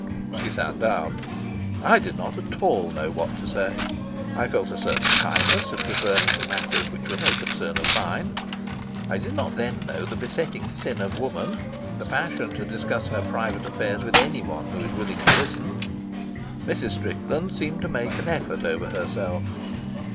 She sat down. I did not at all know what to say. I felt a certain shyness at referring to matters which were no concern of mine. I did not then know the besetting sin of woman, the passion to discuss her private affairs with anyone who is willing to listen. Mrs. Strickland seemed to make an effort over herself.